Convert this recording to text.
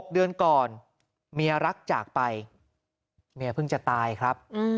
เดือนก่อนเมียรักจากไปเมียเพิ่งจะตายครับ